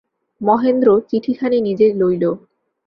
মহেন্দ্র চিঠিখানি নিজে লইল।